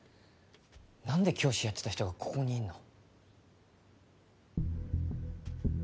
なんで教師やってた人がここにいんの？